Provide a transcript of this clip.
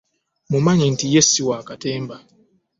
Mmumanyi nti ye si wa katemba.